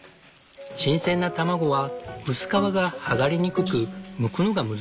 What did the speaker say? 新鮮な卵は薄皮が剥がれにくくむくのが難しいんだって。